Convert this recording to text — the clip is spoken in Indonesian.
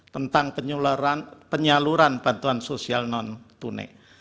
tentang penyaluran bantuan sosial non tunai